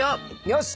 よし！